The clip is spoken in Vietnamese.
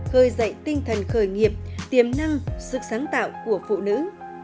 khơi dậy tinh thần khởi nghiệp tiềm năng sức sáng tạo của phụ nữ